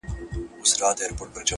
ميسج”